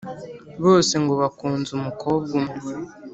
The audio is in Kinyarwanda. bose ngo bakunze umukobwa umwe